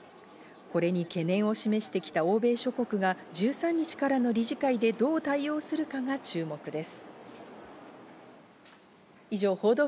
これに懸念を示してきた欧米諸国が１３日からの理事会でどう対応するかが注目です。